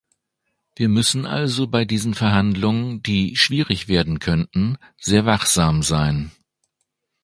Wir müssen also bei diesen Verhandlungen, die schwierig werden könnten, sehr wachsam sein.